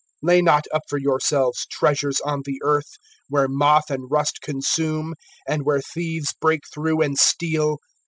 (19)Lay not up for yourselves treasures on the earth, where moth and rust consume, and where thieves break through and steal.